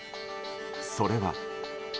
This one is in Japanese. それは。